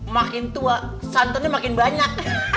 makin tua santannya makin banyak